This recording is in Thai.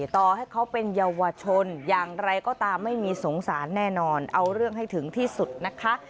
ต่อให้เขาเป็นเยาวชนอย่างไรก็ตามไม่มีสงสารแน่นอนเอาเรื่องให้ถึงที่สุดนะคะ